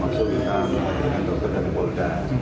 maksudnya dengan dokter dan polda